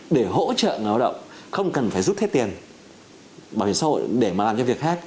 để hỗ trợ người lao động không cần phải rút hết tiền bảo hiểm xã hội để mà làm cho việc khác